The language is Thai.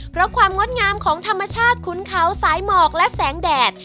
เพราะความงดงามของธรรมชาติขุนเขาสายหมอกและแสงแดด